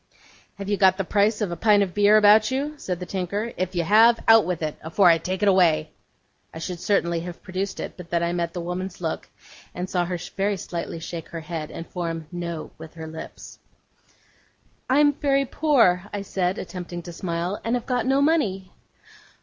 'Have you got the price of a pint of beer about you?' said the tinker. 'If you have, out with it, afore I take it away!' I should certainly have produced it, but that I met the woman's look, and saw her very slightly shake her head, and form 'No!' with her lips. 'I am very poor,' I said, attempting to smile, 'and have got no money.